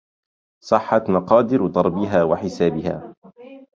صحت مقادر ضربها وحسابها